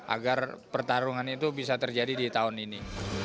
agar pertarungan itu bisa terjadi di tahun ini